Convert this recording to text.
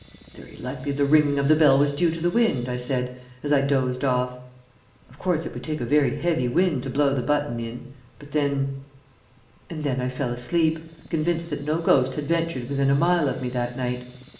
"Very likely the ringing of the bell was due to the wind," I said, as I dozed off. "Of course it would take a very heavy wind to blow the button in, but then " and then I fell asleep, convinced that no ghost had ventured within a mile of me that night.